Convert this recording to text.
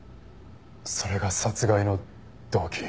それが殺害の動機。